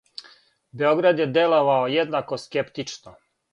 Београд је деловао једнако скептично.